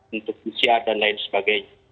untuk pcr dan lain sebagainya